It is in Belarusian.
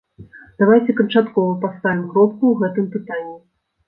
Давайце канчаткова паставім кропку ў гэтым пытанні.